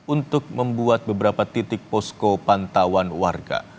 untuk membuat beberapa titik posko pantauan warga